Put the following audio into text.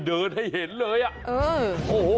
เดินให้เห็นเลยอ่ะโอ้โห